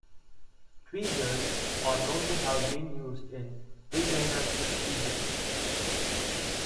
Tweezers are known to have been used in predynastic Egypt.